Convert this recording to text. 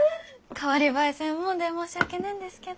代わり映えせんもんで申し訳ねえんですけど。